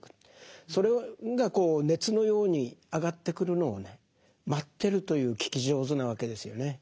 それが熱のように上がってくるのをね待ってるという聞き上手なわけですよね。